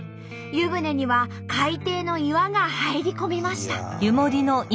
湯船には海底の岩が入り込みました。